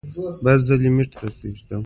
دی د پښتو ژبې رښتینی خدمتګار دی.